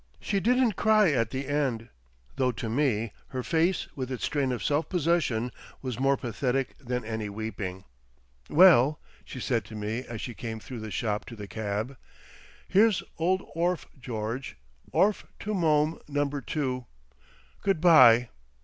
She didn't cry at the end, though to me her face with its strain of self possession was more pathetic than any weeping. "Well" she said to me as she came through the shop to the cab, "Here's old orf, George! Orf to Mome number two! Good bye!"